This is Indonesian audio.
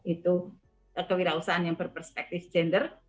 itu kewirausahaan yang berperspektif gender